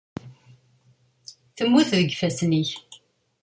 Temmut deg yifassen-ik.